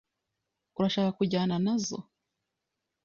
Urashaka kujyana na zoo?